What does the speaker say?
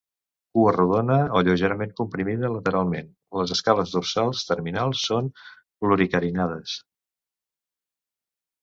Cua rodona o lleugerament comprimida lateralment, les escales dorsals terminals són pluricarinades.